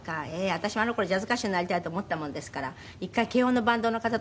私もあの頃ジャズ歌手になりたいと思ったもんですから１回慶應のバンドの方と一緒に。